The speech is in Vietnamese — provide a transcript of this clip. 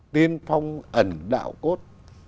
tiên phong ẩn đạo cốt